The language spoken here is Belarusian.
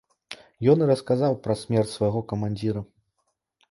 Ён і расказаў пра смерць свайго камандзіра.